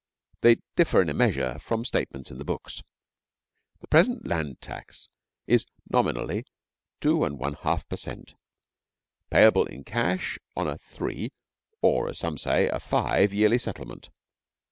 They differ in a measure from statements in the books. The present land tax is nominally 2 1/2 per cent, payable in cash on a three, or as some say a five, yearly settlement.